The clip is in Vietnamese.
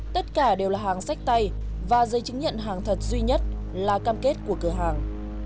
tất cả đều là hàng sách tay và giấy chứng nhận hàng thật duy nhất là cam kết của cửa hàng